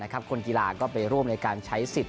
คนกีฬาก็ไปร่วมในการใช้สิทธิ